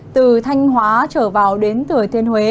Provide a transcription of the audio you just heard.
từ thanh hóa trở vào đến thừa thiên huế